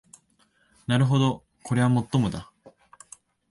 なるほどこりゃもっともだ